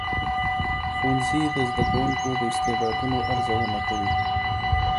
ښوونځي د زدهکوونکو د استعدادونو ارزونه کوي.